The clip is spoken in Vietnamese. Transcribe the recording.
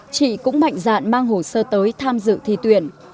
chị cũng mạnh dạn mang hồ sơ tới tham dự thi tuyển